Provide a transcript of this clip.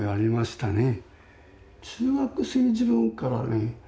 中学生時分からね